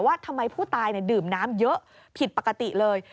ว่าทำไมผู้ตายดื่มน้ำเยอะผิดปกติเลย